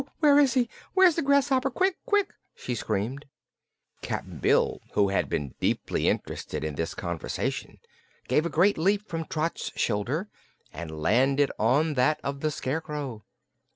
"Where is he? Where's the grasshopper? Quick quick!" she screamed. Cap'n Bill, who had been deeply interested in this conversation, gave a great leap from Trot's shoulder and landed on that of the Scarecrow.